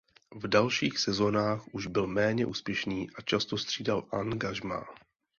V dalších sezónách už byl méně úspěšný a často střídal angažmá.